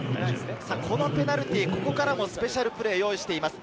このペナルティー、ここからもスペシャルプレーを用意しています。